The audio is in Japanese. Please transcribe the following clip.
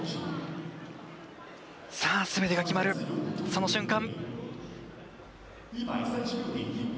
すべてが決まる、その瞬間。